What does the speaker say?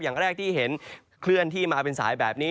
อย่างแรกที่เห็นเคลื่อนที่มาเป็นสายแบบนี้